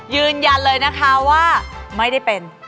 ยืนยันเลยนะคะว่าไม่ได้เป็น